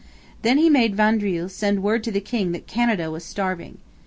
Then he made Vaudreuil send word to the king that Canada was starving.